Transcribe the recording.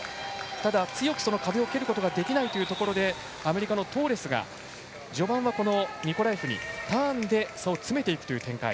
ただ、強く壁を蹴ることができないというところでアメリカのトーレスが序盤はニコラエフにターンで差を詰めていくという展開。